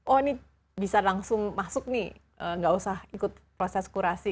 oh ini bisa langsung masuk nih nggak usah ikut proses kurasi